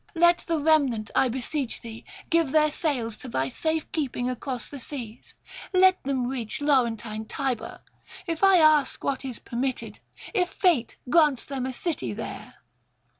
Let the remnant, I beseech thee, give their sails to thy safe keeping across the seas; let them reach Laurentine Tiber; if I ask what is permitted, if fate grants them a city there.'